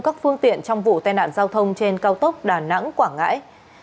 các phương tiện trong vụ tai nạn giao thông trên cao tốc đà nẵng quảng ngãi